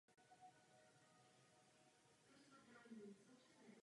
Jedná se o druh ruské národní malby.